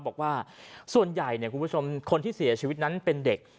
บอกว่าส่วนใหญ่คุณผู้ชมคนที่เสียชีวิตนั้นเป็นเด็ก